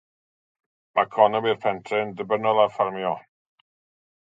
Mae economi'r pentref yn ddibynnol ar ffermio.